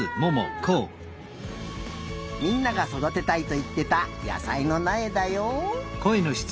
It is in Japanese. みんながそだてたいといってた野さいのなえだよ。